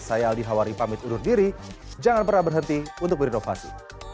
saya aldi hawari pamit undur diri jangan pernah berhenti untuk berinovasi